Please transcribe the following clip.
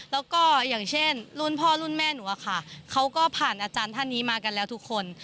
แล้วก็อย่างเช่นรุ่นพ่อรุ่นแม่หนูอะค่ะเขาก็ผ่านอาจารย์ท่านนี้มากันแล้วทุกคน